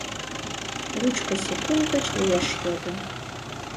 Лучко секунд гыч уэш йодын: